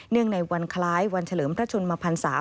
เนื่องในวันคล้ายวันเฉลิมพระชนมภรรษา